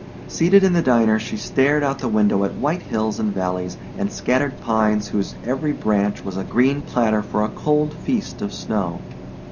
Seated in the diner she stared out the window at white hills and valleys and scattered pines whose every branch was a green platter for a cold feast of snow.